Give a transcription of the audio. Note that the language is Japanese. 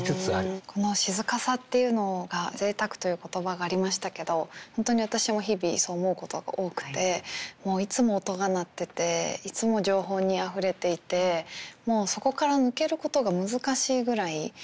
この静かさっていうのが贅沢という言葉がありましたけど本当に私も日々そう思うことが多くてもういつも音が鳴ってていつも情報にあふれていてもうそこから抜けることが難しいぐらい。